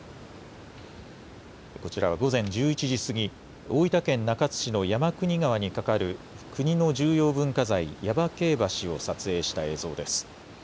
こちらは午前１１時過ぎ、大分県中津市の山国川に架かる国の重要文化財、耶馬渓橋を撮影した映像です。